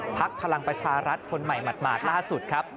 พลังประชารัฐคนใหม่หมาดล่าสุดครับ